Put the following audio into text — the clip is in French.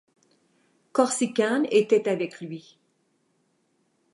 Corsican était avec lui.